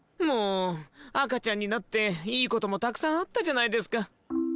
もう赤ちゃんになっていいこともたくさんあったじゃないですか。